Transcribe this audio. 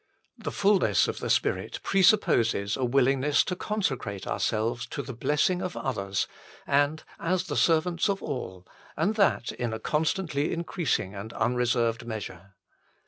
The fulness of the Spirit presupposes a willingness to consecrate ourselves to the blessing of others and as the servants of all, and that in a constantly increasing and unreserved measure.